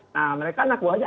nah mereka anak buahnya